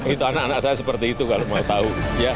itu anak anak saya seperti itu kalau mau tahu